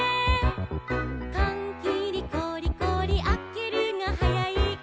「かんきりゴリゴリあけるがはやいか」